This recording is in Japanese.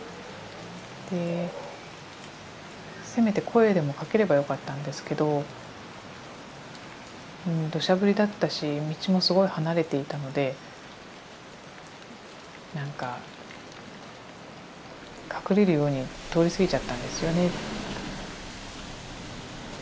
でせめて声でもかければよかったんですけど土砂降りだったし道もすごい離れていたのでなんか隠れるように通り過ぎちゃったんですよね。